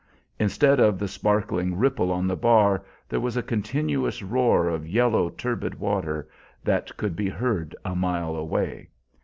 Instead of the sparkling ripple on the bar, there was a continuous roar of yellow, turbid water that could be heard a mile away.